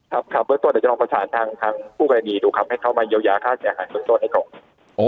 ครับครับเบื้องต้นเดี๋ยวจะลองประสานทางคู่กรณีดูครับให้เขามาเยียวยาค่าเสียหายเบื้องต้นให้ก่อน